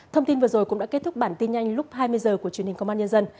thông tin vừa rồi cũng đã kết thúc bản tin nhanh lúc hai mươi h của truyền hình công an nhân dân